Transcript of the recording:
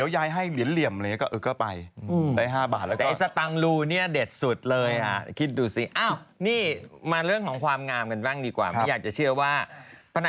ฉันเนี่ยเข้าโรงเรียนวัดแล้วเรียนด้วยกระดานฉนวลนะ